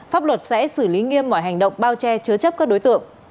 pháp luật sẽ xử lý nghiêm mọi hành động bao che chứa chấp các đối tượng